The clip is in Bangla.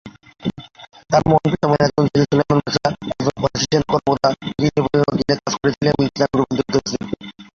তার মহান পিতামহের একজন ছিলেন সুলেইমান পাশা, একজন ফরাসি সেনা কর্মকর্তা, যিনি নেপোলিয়নের অধীনে কাজ করেছিলেন এবং ইসলামে রূপান্তরিত হয়েছিলেন।